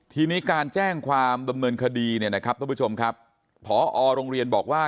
ทีนี้การแจ้งความดำเนินคดีพอโรงเรียนบอกว่า